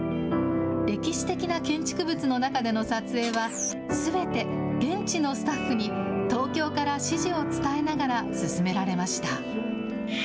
歴史的な建築物の中での撮影は、すべて現地のスタッフに東京から指示を伝えながら進められました。